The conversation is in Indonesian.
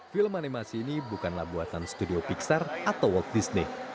film animasi ini bukanlah buatan studio pixar atau walt disney